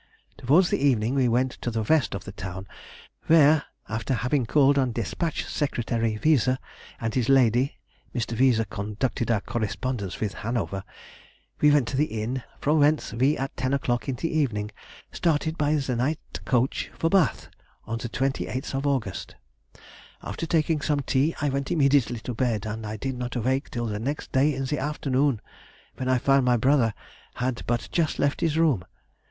Towards evening we went to the West of the town, where, after having called on Despatch Secretary Wiese and his lady (Mr. Wiese conducted our correspondence with Hanover) we went to the inn, from whence we at ten o'clock in the evening started by the night coach for Bath on the 28th of August.... After taking some tea I went immediately to bed, and I did not awake till the next day in the afternoon, when I found my brother had but just left his room.